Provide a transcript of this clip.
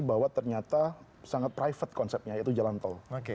bahwa ternyata sangat private konsepnya yaitu jalan tol